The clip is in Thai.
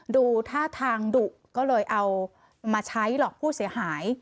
ดูท่าทางดุก็เลยเอามาใช้หลอกผู้เสียหาย